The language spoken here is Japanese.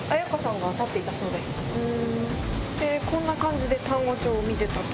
でこんな感じで単語帳を見てたと。